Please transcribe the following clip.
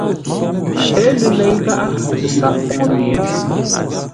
Ə́ lə lei gháʼá sǎʼ pou mě?